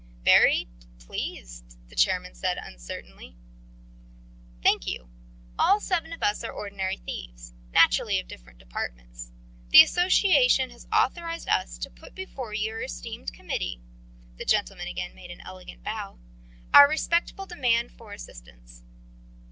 "Very ... pleased," the chairman said uncertainly. "Thank you. All seven of us are ordinary thieves naturally of different departments. The Association has authorised us to put before your esteemed Committee" the gentleman again made an elegant bow "our respectful demand for assistance."